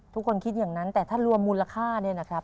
ทุกคนคิดอย่างนั้นแต่ถ้ารวมมูลค่าเนี่ยนะครับ